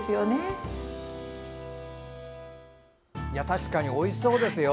確かにおいしそうですよ。